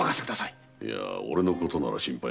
いや俺のことなら心配はいらん。